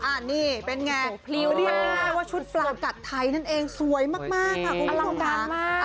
อันนี้เป็นไงเรียกง่ายว่าชุดปลากัดไทยนั่นเองสวยมากค่ะคุณผู้ชมค่ะ